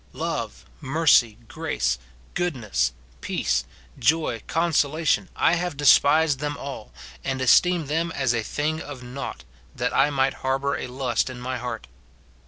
Love, mercy, grace, goodness, peace, joy, consolation, — I have despised them all, and esteemed them as a thing of nought, that I might harbour a lust in my heart.